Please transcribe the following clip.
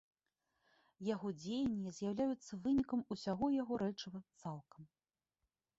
Яго дзеянні з'яўляюцца вынікам усяго яго рэчыва цалкам.